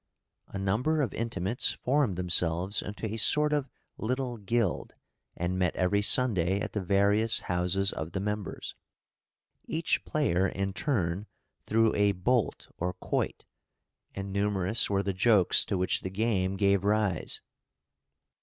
A number of intimates formed themselves into a sort of little guild, and met every Sunday at the various houses of the members. Each player in turn threw a bolt or quoit, and numerous were the jokes to which the game gave rise.